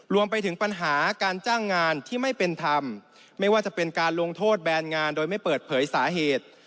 รวมไปถึงปัญหาการจ้างงานที่ไม่เป็นธรรมไม่ว่าจะเป็นการลงโทษแบนงานโดยไม่เปิดเผยสาเหตุ